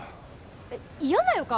えっ嫌な予感？